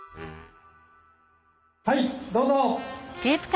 はいどうぞ！